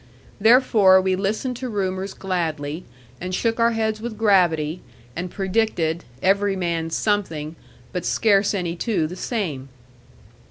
Therefore we listened to rumours gladly, and shook our heads with gravity, and predicted, every man something, but scarce any two the same.